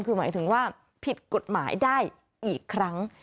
คือหมายถึงว่าผิดกฎหมายได้อีกครั้ง